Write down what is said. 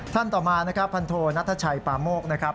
ต่อมานะครับพันโทนัทชัยปาโมกนะครับ